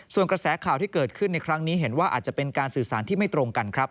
ส่วนกระแสข่าวที่เกิดขึ้นในครั้งนี้เห็นว่าอาจจะเป็นการสื่อสารที่ไม่ตรงกันครับ